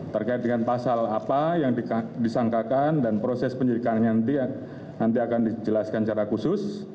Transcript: terkait dengan pasal apa yang disangkakan dan proses penyelidikannya nanti akan dijelaskan secara khusus